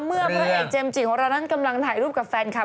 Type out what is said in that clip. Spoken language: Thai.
เมื่อผู้ชายเจมส์จินของเรานั้นกำลังถ่ายรูปกับแฟนคลับ